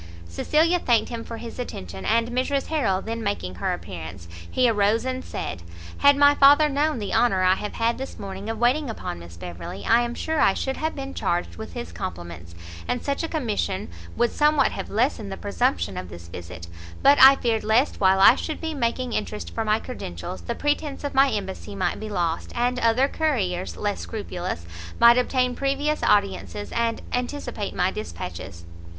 Cecilia thanked him for his attention, and Mrs Harrel then making her appearance, he arose and said, "Had my father known the honour I have had this morning of waiting upon Miss Beverley, I am sure I should have been charged with his compliments, and such a commission would somewhat have lessened the presumption of this visit; but I feared lest while I should be making interest for my credentials, the pretence of my embassy might be lost, and other couriers, less scrupulous, might obtain previous audiences, and anticipate my dispatches."